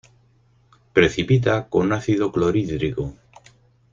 Precipita con ácido clorhídrico.